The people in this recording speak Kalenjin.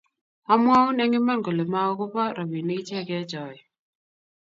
amwoun eng' iman kole ma akubo robinik ichekei choe